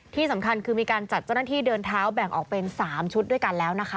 ที่สำคัญคือมีการจัดเจ้าหน้าที่เดินเท้าแบ่งออกเป็น๓ชุดด้วยกันแล้วนะคะ